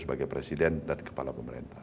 sebagai presiden dan kepala pemerintah